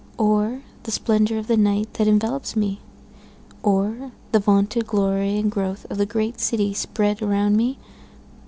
Or the splendor of the night that envelopes me? Or the vaunted glory and growth of the great city spread around me?